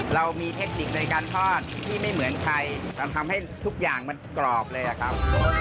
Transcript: เรามีเทคนิคในการทอดที่ไม่เหมือนใครมันทำให้ทุกอย่างมันกรอบเลยอะครับ